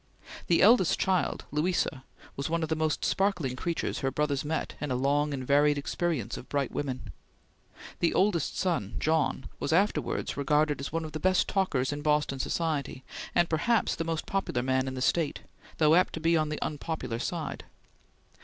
The eldest child, Louisa, was one of the most sparkling creatures her brother met in a long and varied experience of bright women. The oldest son, John, was afterwards regarded as one of the best talkers in Boston society, and perhaps the most popular man in the State, though apt to be on the unpopular side.